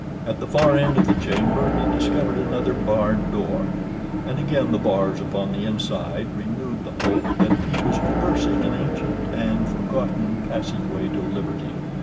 At the far end of the chamber he discovered another barred door, and again the bars upon the inside renewed the hope that he was traversing an ancient and forgotten passageway to liberty.